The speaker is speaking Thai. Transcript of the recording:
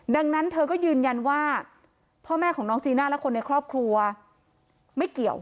ดังนั้นเธอก็ยืนยันว่าพ่อแม่ของน้องจีน่าและคนในครอบครัวไม่เกี่ยว